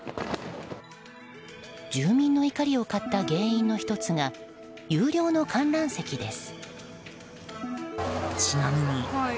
住民の怒りを買った原因の１つが有料の観覧席です。